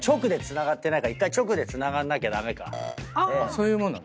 そういうもんなの？